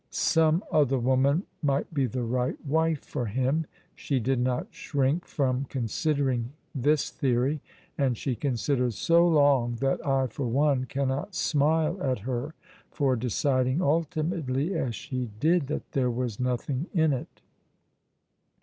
Some other woman might be the right wife for him. She did not shrink from considering this theory, and she considered so long that I, for one, cannot smile at her for deciding ultimately, as she did, that there was nothing in it.